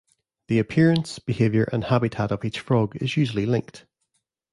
The appearance, behaviour, and habitat of each frog is usually linked.